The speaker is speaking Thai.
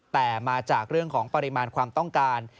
แต่มาจากเรื่องของปริมาณความต้องการ